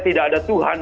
tidak ada tuhan